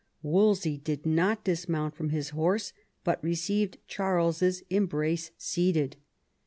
Wolsey did not dismount from his horse, but received Charles's embrace seated.